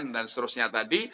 dan seterusnya tadi